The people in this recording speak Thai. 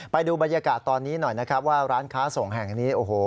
ไปดูบรรยากาศตอนนี้หน่อยนะครับว่าร้านค้าส่งแห่งนี้โอ้โห